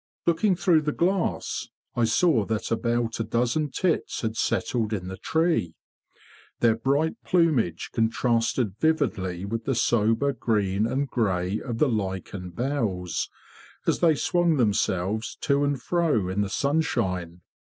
Looking through the glass, I saw that about a dozen tits had settled in the tree. Their bright plumage contrasted vividly with the sober green and grey of the lichened boughs, as they swung themselves to and fro in the sunshine.